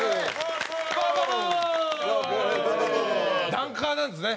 ダンカーなんですね。